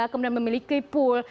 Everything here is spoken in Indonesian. kemudian memiliki pool